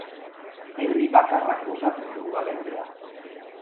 Herri bakarrak osatzen du udalerria.